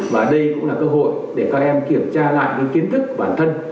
và đây cũng là cơ hội để các em kiểm tra lại những kiến thức của bản thân